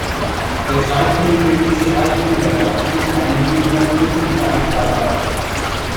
Des Weiteren gibt es drei Kindergärten, ein Jugendzentrum und ein Freibad.